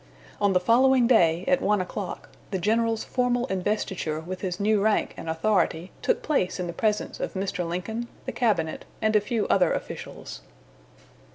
On the following day, at one o'clock, the general's formal investiture with his new rank and authority took place in the presence of Mr. Lincoln, the cabinet, and a few other officials.